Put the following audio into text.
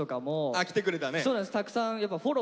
あ来てくれたね。